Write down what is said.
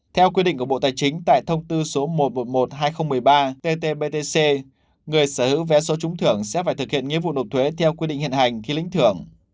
theo quy định của bộ tài chính tại thông tư số một trăm một mươi một hai nghìn một mươi ba tt btc người sở hữu vé số trúng thưởng sẽ phải thực hiện nghĩa vụ nộp thuế theo quy định hiện hành khi lĩnh thưởng